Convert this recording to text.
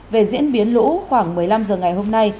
về diễn biến lũ khoảng một mươi năm h ngày hôm nay